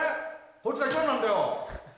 こいつが一万なんだよ！